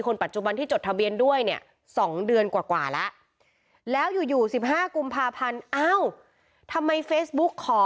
เก่า๑คนอายุ๓ขวบ